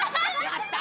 やった！